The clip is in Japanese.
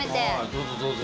どうぞどうぞ。